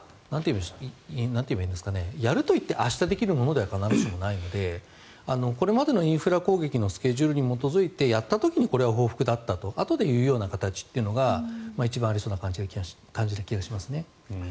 ロシア側も報復ってやるといって明日できるものでは必ずしもないのでこれまでのインフラ攻撃のスケジュールに基づいてやったあとにこれは報復だったとあとで言う形が一番あり得そうな感じがしますね。